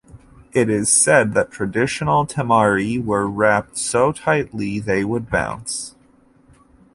It is said that traditional temari were wrapped so tightly they would bounce.